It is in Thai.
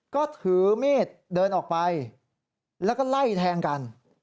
ก็ถือมีดเดินออกไปแล้วก็ไล่แทงกัน